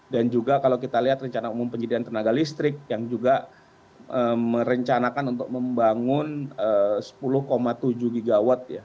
dan juga kalau kita lihat rencana umum penjagaan tenaga listrik yang juga merencanakan untuk membangun sepuluh tujuh gigawatt ya